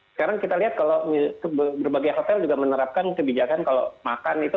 sekarang kita lihat kalau berbagai hotel juga menerapkan kebijakan kalau makan itu